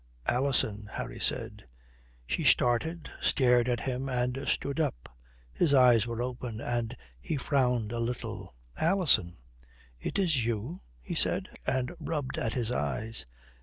"Alison," Harry said. She started, stared at him, and stood up. His eyes were open, and he frowned a little. "Alison? It is you?" he said, and rubbed at his eyes.